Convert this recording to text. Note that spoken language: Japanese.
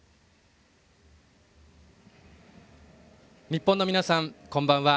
日本の皆さんこんばんは。